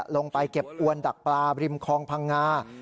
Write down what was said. ลงไปเก็บอวนดักปลาบริมคลองพังงา